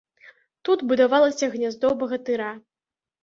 Тут будавалася гняздо багатыра.